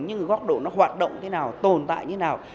nhưng góc độ nó hoạt động thế nào tồn tại như nào